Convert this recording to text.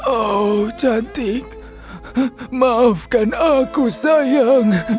oh cantik maafkan aku sayang